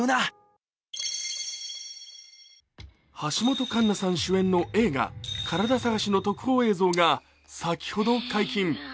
橋本環奈さん主演の映画「カラダ探し」の特報映像が先ほど解禁。